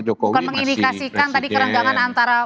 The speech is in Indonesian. bukan mengindikasikan tadi kerenggangan antara